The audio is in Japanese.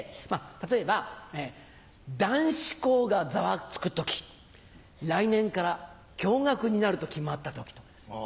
例えば男子校がざわつく時来年から共学になると決まった時とかですね。